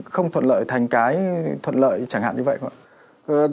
không thuận lợi thành cái thuận lợi chẳng hạn như vậy không ạ